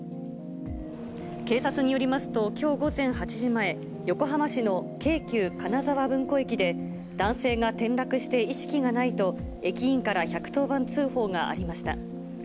警察によりますと、きょう午前８時前、横浜市の京急金沢文庫駅で、男性が転落して意識がないと、駅員から１１０番通報がありました。